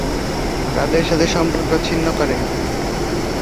তাদের সাথে সম্পর্ক ছিন্ন করেন।